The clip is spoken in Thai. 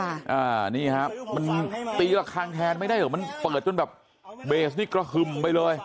อ่านี่ครับมันตีระคังแทนไม่ได้เหรอมันเปิดจนแบบเบสนี่กระหึ่มไปเลย